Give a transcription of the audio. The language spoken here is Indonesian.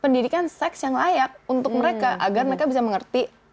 pendidikan seks yang layak untuk mereka agar mereka bisa mengerti